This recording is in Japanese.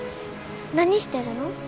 何してるの？